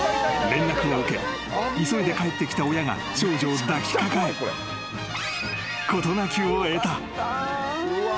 ［連絡を受け急いで帰ってきた親が少女を抱きかかえ事なきを得た］